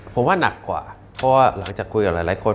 ผมว่านักกว่าเพราะว่าหลังจากคุยกับหลายคน